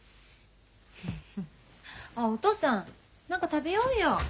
あお父さん何か食べようよ。